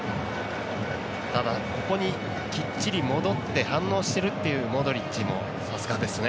ただ、ここにきっちり戻って反応しているっていうモドリッチもさすがですね。